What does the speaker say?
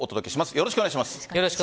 よろしくお願いします。